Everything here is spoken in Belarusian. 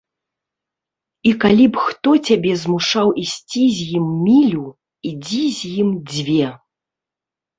І калі б хто цябе змушаў ісці з ім мілю, ідзі з ім дзве.